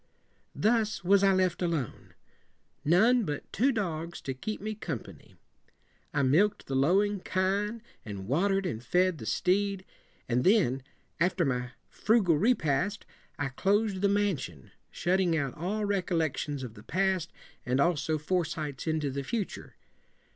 Thus was I left alone. None but two dogs to keep me com pa ny. I milk ed the lowing kine and water ed and fed the steed, and then, after my fru gal repast, I clos ed the man si on, shutting out all re collections of the past and also foresights into the future.